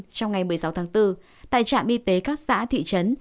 trong ngày một mươi sáu tháng bốn tại trạm y tế các xã thị trấn